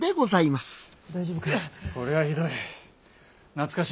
大丈夫かい？